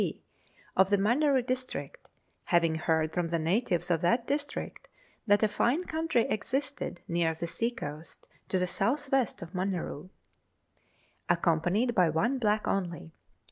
J.P., of the Maneroo district, having heard from the natives of that district that a fine country existed near the sea coast, to the south west of Maneroo. Accompanied by one Black only.